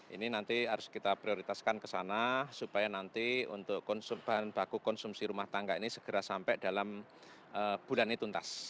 ini nanti harus kita prioritaskan ke sana supaya nanti untuk bahan baku konsumsi rumah tangga ini segera sampai dalam bulan ini tuntas